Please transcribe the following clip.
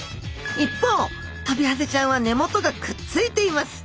一方トビハゼちゃんは根元がくっついています。